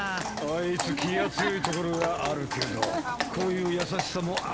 あいつ気が強いところがあるけどこういう優しさもあるんだよ。